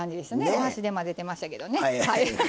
お箸で混ぜてましたけどね。